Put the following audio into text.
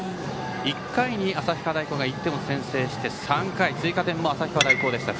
１回に旭川大高が１点先制して３回、追加点も旭川大高でした。